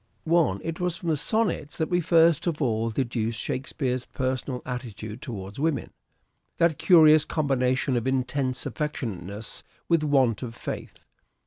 1. It was from the Sonnets that we first of all Former references deduced Shakespeare's personal attitude towards summarized, women : that curious combination of intense affectionateness with want of faith.